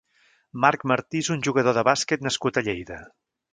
Marc Martí és un jugador de bàsquet nascut a Lleida.